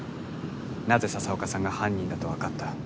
なぜ笹岡さんが犯人だと分かった？